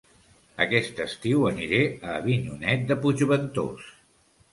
Aquest estiu aniré a Avinyonet de Puigventós